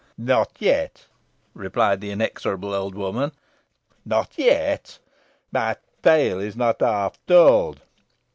"Not yet," replied the inexorable old woman, "not yet. My tale is not half told.